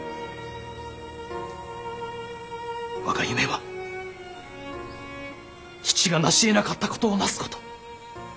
我が夢は父が成しえなかったことをなすこと。